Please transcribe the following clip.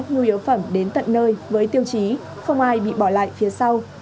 nhu yếu phẩm đến tận nơi với tiêu chí không ai bị bỏ lại phía sau